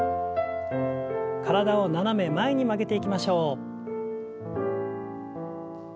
体を斜め前に曲げていきましょう。